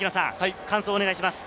感想をお願いします。